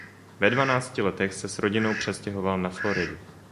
Ve dvanácti letech se s rodinou přestěhoval na Floridu.